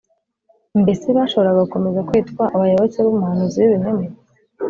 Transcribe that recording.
mbese bashoboraga gukomeza kwitwa abayoboke b’umuhanuzi w’ibinyoma?